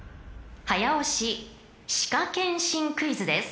［早押し歯科検診クイズです］